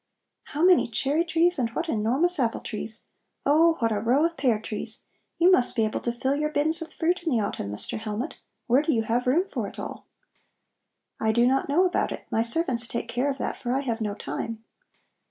"How many cherry trees and what enormous apple trees! Oh, what a row of pear trees! You must be able to fill your bins with fruit in the autumn, Mr. Hellmut! Where do you have room for it all?" "I do not know about it; my servants take care of that, for I have no time."